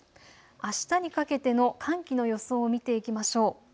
あしたにかけての寒気の予想を見ていきましょう。